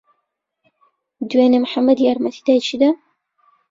دوێنێ محەممەد یارمەتی دایکی دا؟